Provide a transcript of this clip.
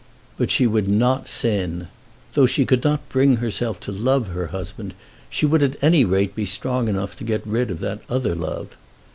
But she would not sin. Though she could not bring herself to love her husband, she would at any rate be strong enough to get rid of that other love.